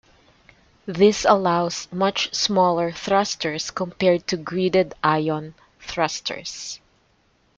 This allows much smaller thrusters compared to gridded ion thrusters.